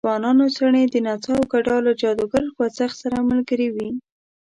د ځوانانو څڼې د نڅا او ګډا له جادوګر خوځښت سره ملګرې وې.